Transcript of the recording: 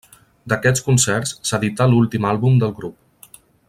D'aquests concerts s'edità l'últim àlbum del grup.